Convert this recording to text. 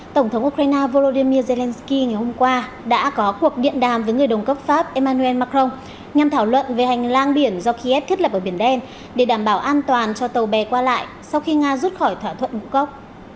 tổng thống ukraine volodymyr zelensky ngày hôm qua đã có cuộc điện đàm với người đồng cấp pháp emmanuel macron nhằm thảo luận về hành lang biển do kiev thiết lập ở biển đen để đảm bảo an toàn cho tàu bè qua lại sau khi nga rút khỏi thỏa thuận ngũ cốc